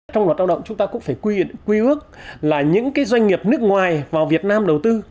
trong loạt lao động chúng ta cũng phải quy ước là những doanh nghiệp nước ngoài vào việt nam đầu tư